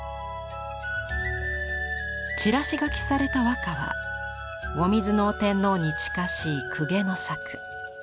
散らし書きされた和歌は後水尾天皇に近しい公家の作。